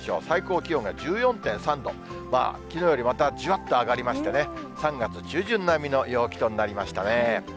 最高気温が１４．３度、きのうよりまたじわっと上がりましてね、３月中旬並みの陽気となりましたね。